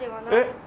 えっ？